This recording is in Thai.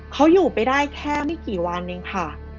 เขาอยู่ไปได้แค่ไม่กี่วันเองค่ะ